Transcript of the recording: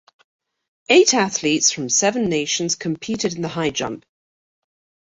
Eight athletes from seven nations competed in the high jump.